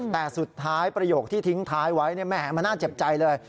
แต่สุดท้ายประโยคที่ทิ้งท้ายไว้แหมมันน่าเจ็บใจเลย